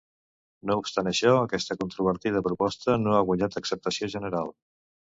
No obstant això aquesta controvertida proposta no ha guanyat acceptació general.